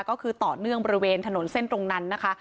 ก็คือต่อเนื่องบริเวณถนนเส้นตรงนั้นนะคะ